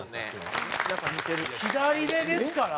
左でですから。